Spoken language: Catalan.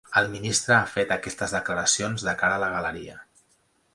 El ministre ha fet aquestes declaracions de cara a la galeria.